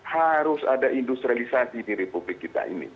harus ada industrialisasi di republik kita ini